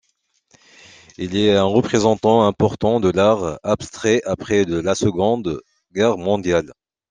Il est un représentant important de l'art abstrait après la Seconde Guerre mondiale.